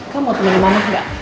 kau mau temanin mama gak